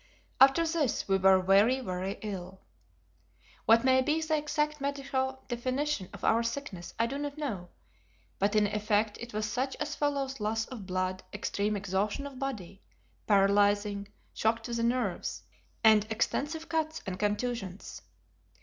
After this we were very, very ill. What may be the exact medical definition of our sickness I do not know, but in effect it was such as follows loss of blood, extreme exhaustion of body, paralysing shock to the nerves and extensive cuts and contusions.